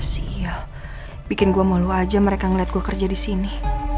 sial bikin gue malu aja mereka ngeliat gue kerja disini